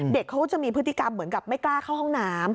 เด็กเขาจะมีพฤติกรรมเหมือนกับไม่กล้าเข้าห้องน้ำ